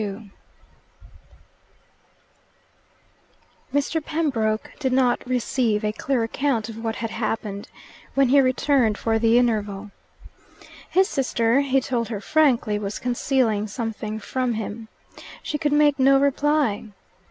XXXII Mr. Pembroke did not receive a clear account of what had happened when he returned for the interval. His sister he told her frankly was concealing something from him. She could make no reply.